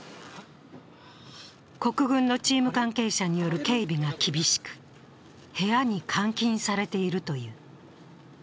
国軍のチーム関係者による警備が厳しく部屋に監禁されているという。